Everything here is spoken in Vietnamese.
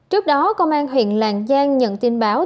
trước đó công an huyện làng giang nhận tin báo